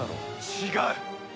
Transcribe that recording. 違う！